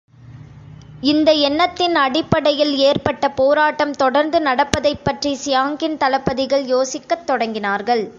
இந்த எண்ணத்தின் அடிப்படையில் ஏற்பட்ட போராட்டம் தொடர்ந்து நடப்பதைப்பற்றி சியாங் கின் தளபதிகள் யோசிக்கத் தொடங்கினார்கள்.